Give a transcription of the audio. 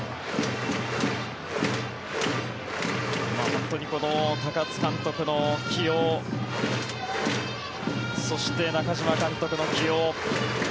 本当に高津監督の起用そして、中嶋監督の起用。